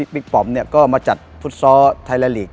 พลิกป้อมก็มาจัดฟุตซ้อไทยละลีก